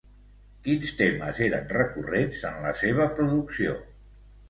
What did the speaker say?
Quins temes eren recurrents en la seva producció?